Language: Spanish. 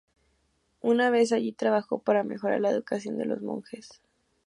Una vez allí, trabajó para mejorar la educación de los monjes.